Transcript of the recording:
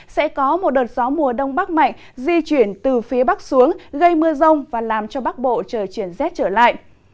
sẽ có một đợt gió mùa đông bắc mạnh di chuyển từ phía bắc xuống gây mưa rông và làm cho bắc bộ trời chuyển rét trở lại